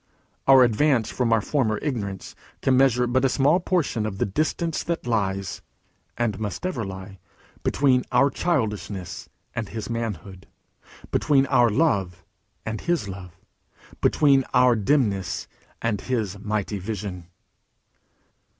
Our advance from our former ignorance can measure but a small portion of the distance that lies, and must ever lie, between our childishness and his manhood, between our love and his love, between our dimness and his mighty vision.